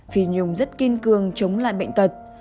phi nhung rất kiên cường chống lại bệnh tật